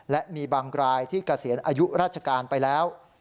และมีบางรายที่เกษียณอายุราชการไปแล้ว